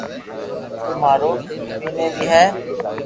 تو مارو ٻينيوي ھي